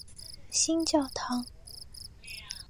新教堂。